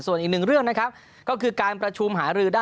ส่วนอีกหนึ่งเรื่องนะครับก็คือการประชุมหารือได้